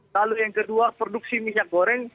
lalu yang kedua produksi minyak goreng